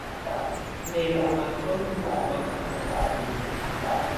Mɛ̀ lɔ̀ matɔ̀á numǝ́ ɔ̀ wakaka ù bùóli.